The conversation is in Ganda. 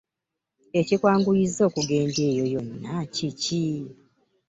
Ekikwanguyizza okugenda eyo yonna kiki?